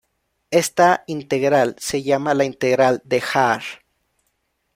Esta integral se llama la integral de Haar.